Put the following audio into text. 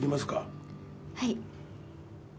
はい。